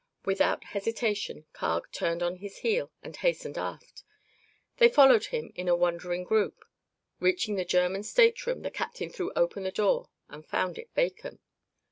Without hesitation Carg turned on his heel and hastened aft. They followed him in a wondering group. Reaching the German's stateroom the captain threw open the door and found it vacant.